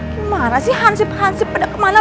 gimana sih hansip hansip pada kemana